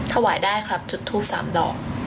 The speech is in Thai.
ถวายได้ครับจุดทูป๓ดอก